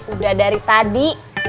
udah dari tadi